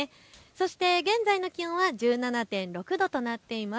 そして現在の気温は１７．６度となっています。